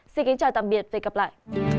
xin kính chào tạm biệt và hẹn gặp lại